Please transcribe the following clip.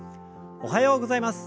おはようございます。